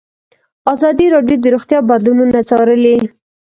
ازادي راډیو د روغتیا بدلونونه څارلي.